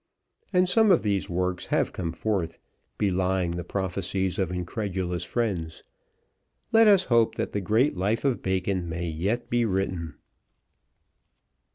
And some of these works have come forth, belying the prophecies of incredulous friends. Let us hope that the great Life of Bacon may yet be written.